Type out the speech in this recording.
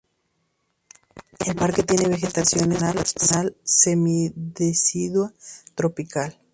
El parque tiene vegetación estacional semi-decidua tropical.